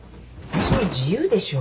私の自由でしょ。